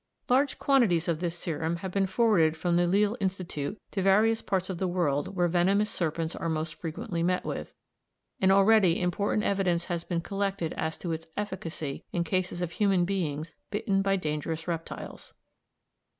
Large quantities of this serum have been forwarded from the Lille Institute to various parts of the world where venomous serpents are most frequently met with, and already important evidence has been collected as to its efficacy in cases of human beings bitten by dangerous reptiles.